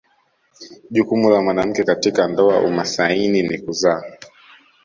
Jukumu la mwanamke katika ndoa umasaini ni kuzaa